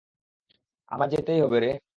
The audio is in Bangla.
আমায় যেতেই হবে রে।